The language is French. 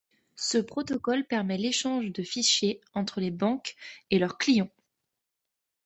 Ce protocole permet l'échange de fichiers entre les banques et leurs clients.